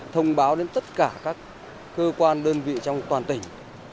thông báo đến tất cả các cơ quan đơn vị trong toàn tỉnh